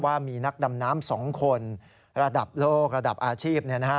ว่ามีนักดำน้ำ๒คนระดับโลกระดับอาชีพ